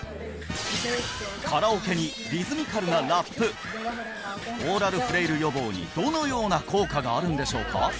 カラオケにリズミカルなラップオーラルフレイル予防にどのような効果があるんでしょうか？